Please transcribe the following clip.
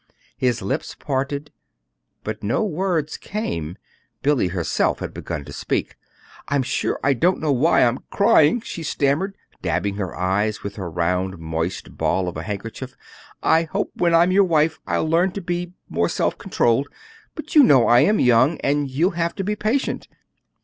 His lips parted, but no words came Billy herself had begun to speak. "I'm sure I don't know why I'm crying," she stammered, dabbing her eyes with her round moist ball of a handerchief. "I hope when I'm your wife I'll learn to be more self controlled. But you know I am young, and you'll have to be patient."